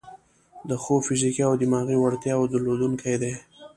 د ښو فزیکي او دماغي وړتیاوو درلودونکي دي.